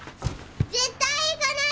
絶対行かない！